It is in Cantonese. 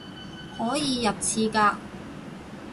可以入廁格